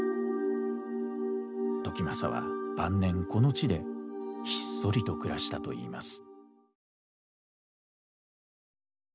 時政は晩年この地でひっそりと暮らしたといいます。